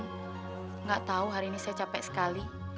tidak tahu hari ini saya capek sekali